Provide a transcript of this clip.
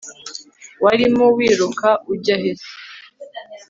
warimo wirukaujyahe se